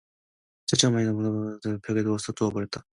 첫째 어머니는 너무나 어이가 없어서 돌아앉으며 그만 벽을 향하여 누워 버렸다.